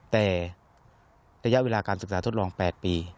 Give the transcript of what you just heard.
แต่ระยะเวลาการศึกษาทดลอง๘ปี